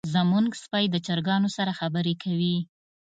زمونږ سپی د چرګانو سره خبرې کوي.